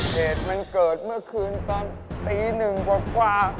เหตุมันเกิดเมื่อคืนตอนตีหนึ่งกว่า